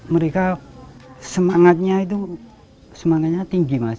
mereka semangatnya itu semangatnya tinggi mas